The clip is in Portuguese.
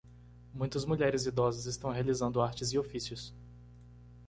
muitas mulheres idosas estão realizando artes e ofícios